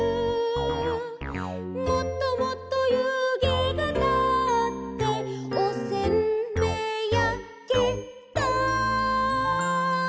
「もっともっと湯気がたっておせんべいやけた」